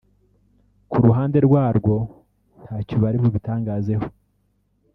ku ruhande rwarwo ntacyo bari babitangazaho